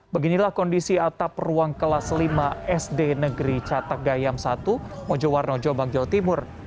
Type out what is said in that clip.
beginilah kondisi atap ruang kelas lima sd negeri catak gayam satu mojowarno jombang jawa timur